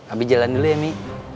abis jalan dulu ya mi